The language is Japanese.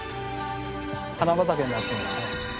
花畑になってますね。